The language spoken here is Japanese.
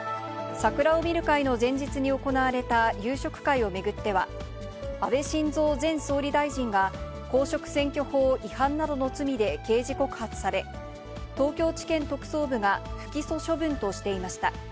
桜を見る会の前日に行われた夕食会を巡っては、安倍晋三前総理大臣が、公職選挙法違反などの罪で刑事告発され、東京地検特捜部が不起訴処分としていました。